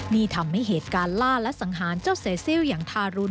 นี่ทำให้เหตุการณ์ล่าและสังหารเจ้าเซซิลอย่างทารุณ